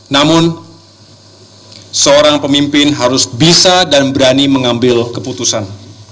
namun seorang pemimpin harus bisa dan berani mengambil keputusan